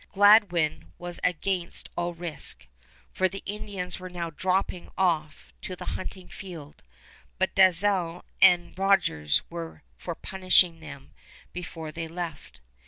Gladwin was against all risk, for the Indians were now dropping off to the hunting field, but Dalzell and Rogers were for punishing them before they left.